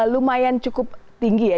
lumayan cukup tinggi ya